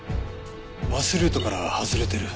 バスルートから外れてる。